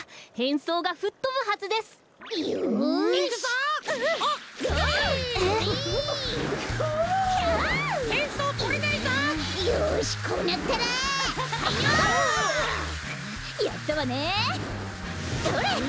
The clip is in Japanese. それ！